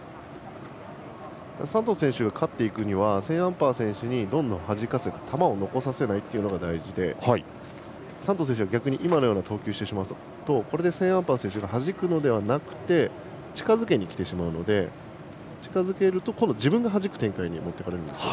サントス選手が勝っていくにはセーンアンパー選手にどんどんはじかせて球を残させないのが大事でサントス選手は逆に今のような投球をしてしまうとこれでセーンアンパー選手がはじくのではなくて近づけにきてしまうので近づけると今度、自分がはじく展開に持っていかれるんですね。